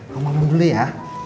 mau makan dulu ya